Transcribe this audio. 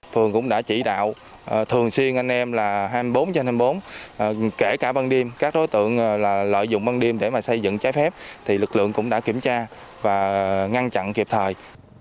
phường cũng đã chỉ đạo thường xuyên anh em là hai mươi bốn trên hai mươi bốn kể cả ban đêm các đối tượng lợi dụng ban đêm để xây dựng trái phép thì lực lượng cũng đã kiểm tra và ngăn chặn kịp thời